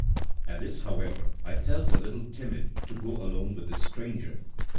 At this, however, I felt a little timid to go alone with this stranger.